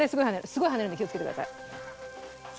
すごい跳ねるんで気をつけてください。